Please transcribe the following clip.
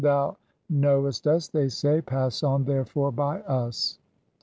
r 'Thou know "est us,' [they say], (33) 'pass on, therefore, by us.'